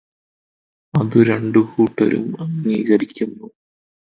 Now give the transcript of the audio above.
അതു് രണ്ടുകൂട്ടരും അംഗീകരിക്കുന്നു.